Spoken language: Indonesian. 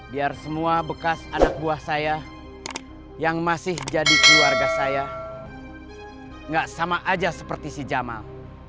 biar semua bekas anak buah saya yang masih jadi keluarga saya nggak sama aja seperti si jamal